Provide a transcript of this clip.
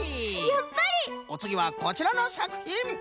やっぱり！おつぎはこちらのさくひん！